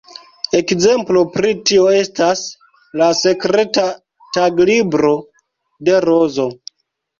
Ekzemplo pri tio estas ""La Sekreta Taglibro de Rozo"".